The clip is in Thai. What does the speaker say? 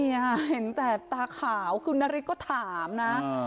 ไม่แต่ตาขาวคือนาริก็ถามนะ